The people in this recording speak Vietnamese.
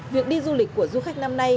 việc đi du lịch của du khách năm nay